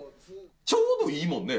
ちょうどいいもんね。